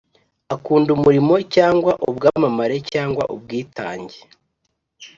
Akunda umurimo cyangwa ubwamamare cyangwa ubwitange